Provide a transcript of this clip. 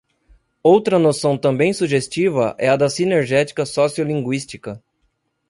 Outra noção também sugestiva é a da sinergética sociolinguística.